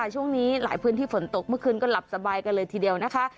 ช่วงนี้หลายพื้นที่ฝนตกเมื่อคืนก็หลับสบายกันเลยทีเดียวนะคะ